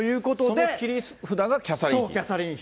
その切り札がキャサリン妃。